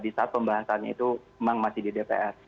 di saat pembahasannya itu memang masih di dpr